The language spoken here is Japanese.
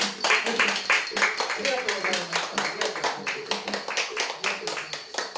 ありがとうございます。